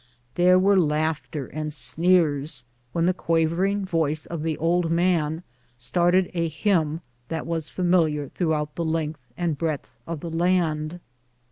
There were laugh ter and sneers when the quavering voice of the old man started a hymn that was familiar throughout the length and breadth of the land.